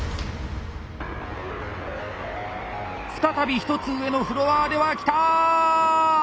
再び１つ上のフロアーではキターッ！